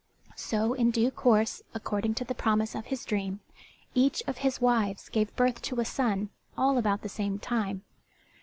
So in due course according to the promise of his dream, each of his wives gave birth to a son all about the same time.